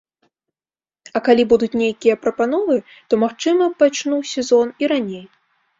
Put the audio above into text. А калі будуць нейкія прапановы, то магчыма пачну сезон і раней.